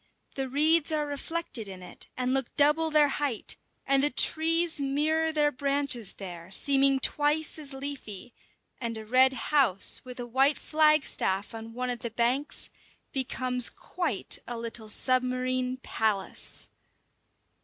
The reeds are reflected in it and look double their height, and the trees mirror their branches there, seeming twice as leafy; and a red house with a white flagstaff on one of the banks becomes quite a little submarine palace.